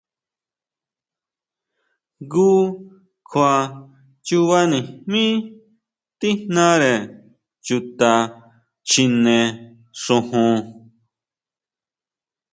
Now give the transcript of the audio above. Jngu kjua chubanijmí tíjnare chuta chjine xojon.